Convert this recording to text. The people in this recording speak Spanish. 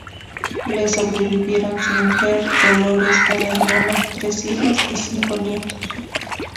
Le sobrevivieron su mujer, Dolores, una hermana, tres hijas y cinco nietos.